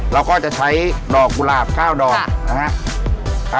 เราก็จะใช้ดอกกุหลาบ๙ดอก